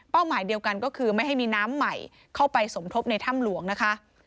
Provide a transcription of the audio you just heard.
หมายเดียวกันก็คือไม่ให้มีน้ำใหม่เข้าไปสมทบในถ้ำหลวงนะคะ